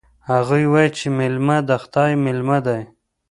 هغوی وایي چې میلمه د خدای مېلمه ده